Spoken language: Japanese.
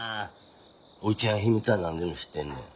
おいちゃん秘密は何でも知ってんねん。